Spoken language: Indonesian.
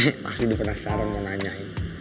hehehe pasti dipenasaran mau nanyain